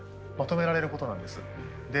まとめられることなんですよ。